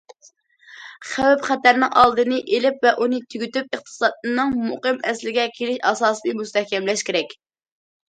خەۋپ- خەتەرنىڭ ئالدىنى ئېلىپ ۋە ئۇنى تۈگىتىپ، ئىقتىسادنىڭ مۇقىم ئەسلىگە كېلىش ئاساسىنى مۇستەھكەملەش كېرەك.